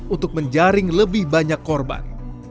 untuk menjaring lebih banyak korban